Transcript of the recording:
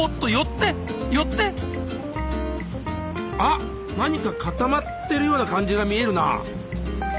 あっ何か固まってるような感じが見えるな。